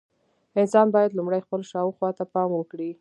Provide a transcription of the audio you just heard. انسان باید لومړی خپل شاوخوا ته پام وکړي.